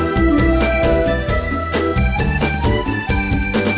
สวัสดีครับ